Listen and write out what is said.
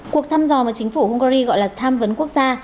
cuộc thăm dò mà chính phủ hungary gọi là tham vấn quốc gia